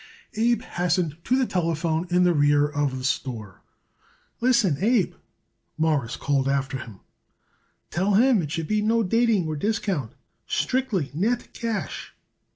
Abe hastened to the telephone in the rear of the store. "Listen, Abe," Morris called after him, "tell him it should be no dating or discount, strictly net cash."